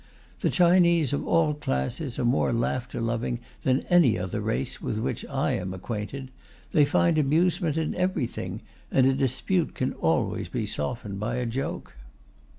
The Chinese, of all classes, are more laughter loving than any other race with which I am acquainted; they find amusement in everything, and a dispute can always be softened by a joke.